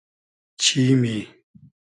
چیمی